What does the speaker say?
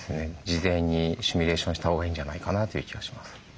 事前にシミュレーションしたほうがいいんじゃないかなという気がします。